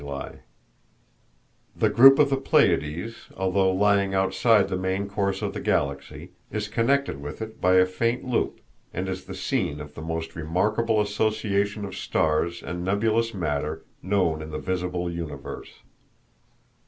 [Illustration: The Pleiades] The group of the Pleiades, although lying outside the main course of the Galaxy, is connected with it by a faint loop, and is the scene of the most remarkable association of stars and nebulous matter known in the visible universe.